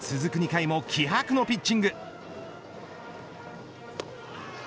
２回も気迫のピッチング。